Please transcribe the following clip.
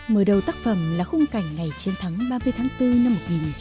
mở đầu tác phẩm là khung cảnh ngày chiến thắng ba mươi tháng bốn năm một nghìn chín trăm bảy mươi năm